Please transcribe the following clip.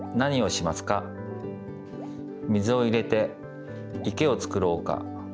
水を入れて池をつくろうか。